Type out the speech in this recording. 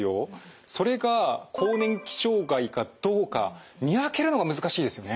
それが更年期障害かどうか見分けるのが難しいですよね。